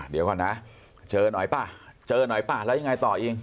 เดี๋ยวก่อนนะเจอหน่อยเปล่าแล้วยังไงต่ออีก